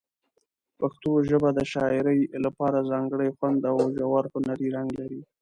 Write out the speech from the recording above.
پښتو ژبه د شاعرۍ لپاره ځانګړی خوند او ژور هنري رنګ لري.